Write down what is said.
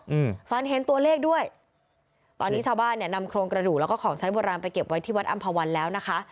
อืมฝันเห็นตัวเลขด้วยตอนนี้ชาวบ้านเนี่ยนำโครงกระดูกแล้วก็ของใช้โบราณไปเก็บไว้ที่วัดอำภาวันแล้วนะคะ